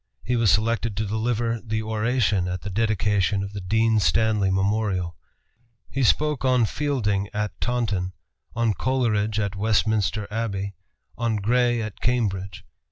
He was selected to deliver the oration at the dedication of the Dean Stanley Memorial. He spoke on Fielding at Taunton, on Coleridge at Westminster Abbey, on Gray at Cambridge.